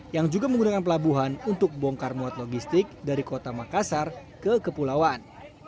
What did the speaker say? yang juga menggunakan pelabuhan untuk bongkar muat logistik dari kota makassar ke kepulauan